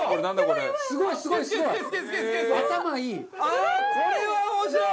ああーこれは面白い！